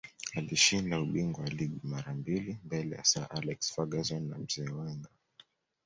alishinda ubingwa wa ligi mara mbili mbele ya sir alex ferguson na mzee wenger